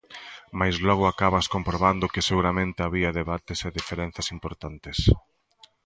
Mais logo acabas comprobando que seguramente había debates e diferenzas importantes.